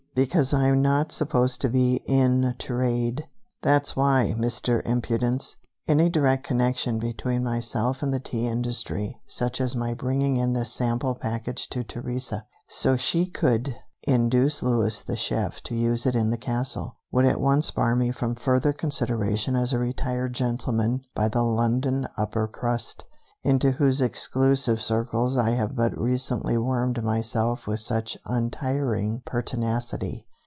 "Because I'm not supposed to be 'in trade,' that's why, Mr. Impudence. Any direct connection between myself and the tea industry, such as my bringing in this sample package to Teresa, so she could induce Louis the chef to use it in the castle, would at once bar me from further consideration as a retired gentleman by the London upper crust, into whose exclusive circles I have but recently wormed myself with such untiring pertinacity.